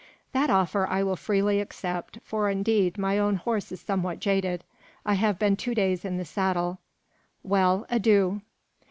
"That offer I will freely accept, for indeed my own horse is somewhat jaded. I have been two days in the saddle. Well, adieu!"